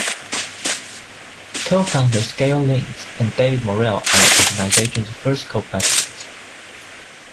Co-founders Gayle Lynds and David Morrell are the organization's first co-presidents.